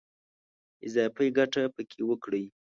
اضافي ګټه په کې وکړي.